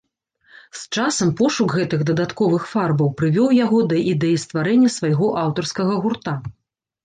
З часам пошук гэтых дадатковых фарбаў прывёў яго да ідэі стварэння свайго аўтарскага гурта.